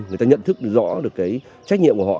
người ta nhận thức rõ được cái trách nhiệm của họ